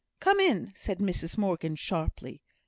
"Come in!" said Mrs Morgan, sharply.